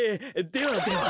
ではでは！